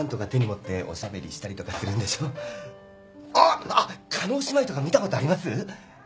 叶姉妹とか見たことあります？